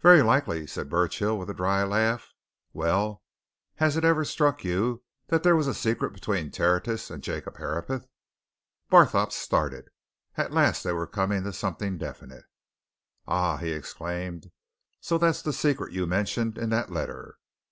"Very likely," said Burchill, with a dry laugh. "Well has it ever struck you that there was a secret between Tertius and Jacob Herapath?" Barthorpe started. At last they were coming to something definite. "Ah!" he exclaimed. "So that's the secret you mentioned in that letter?"